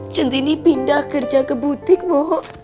centini pindah kerja ke butik bu